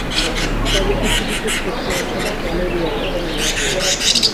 তবে কিছু কিছু ক্ষেত্রে এখনো ক্যালরি এককের ব্যবহার রয়েছে।